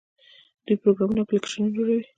دوی پروګرامونه او اپلیکیشنونه جوړوي.